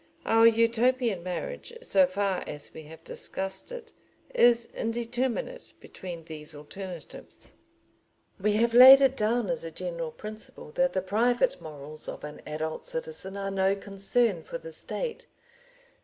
Our Utopian marriage so far as we have discussed it, is indeterminate between these alternatives. We have laid it down as a general principle that the private morals of an adult citizen are no concern for the State.